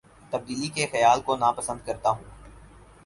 تبدیلی کے خیال کو نا پسند کرتا ہوں